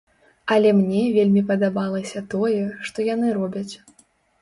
Але мне вельмі падабалася тое, што яны робяць.